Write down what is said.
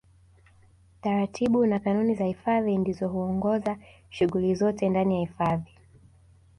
Taratibu na kanuni za hifadhi ndizo huongoza shughuli zote ndani ya hifadhi